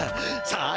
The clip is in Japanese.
さあ！